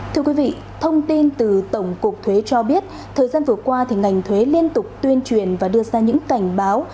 thưa quý vị thông tin từ tổng cục thuế cho biết thời gian vừa qua ngành thuế liên tục tuyên truyền và đưa ra những cảnh báo